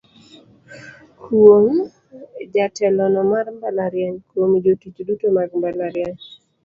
"Kuom: Jatelono mar mbalariany, Kuom: Jotich duto mag mbalariany".